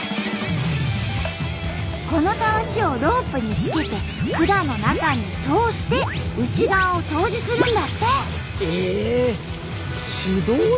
このタワシをロープにつけて管の中に通して内側を掃除するんだって！